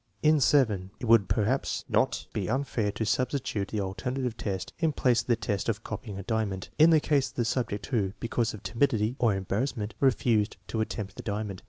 In VII, it would perhaps not be unfair to substitute the alternative test, in place of the test of copying a diamond, in the case of a subject who, because of timidity or em barrassment, refused to attempt the diamond.